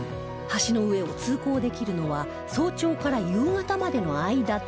橋の上を通行できるのは早朝から夕方までの間だけ